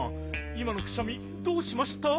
いまのくしゃみどうしました？